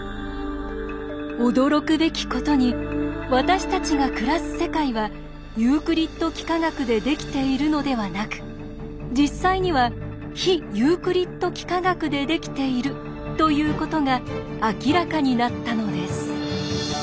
驚くべきことに私たちが暮らす世界はユークリッド幾何学でできているのではなく実際には非ユークリッド幾何学でできているということが明らかになったのです。